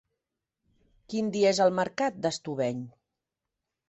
Quin dia és el mercat d'Estubeny?